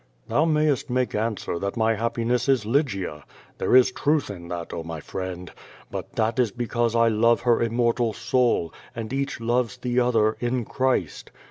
Thou mayest make answer that my happiness is Lygia. There is truth in that, oh, my friend. But that is because I love her immortal soul, and each loves the other in Christ.